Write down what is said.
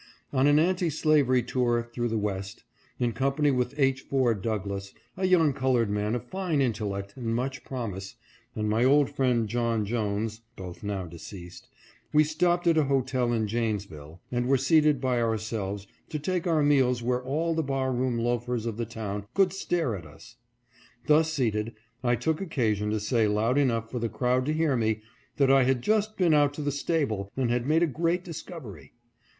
On an anti slavery tour through the West, in company with H. Ford Douglas, a young colored man of fine intel lect and much promise, and my old friend John Jones (both now deceased), we stopped at a hotel in Janesville, and were seated by ourselves to take our meals where all the bar room loafers of the town could stare at us. Thus seated, I took occasion to say loud enough for the crowd to hear me, that I had just been out to the stable, and had made a great discovery.